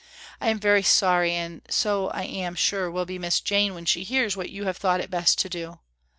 "I am very sorry and so I am sure will be Miss Jane when she hears what you have thought it best to do.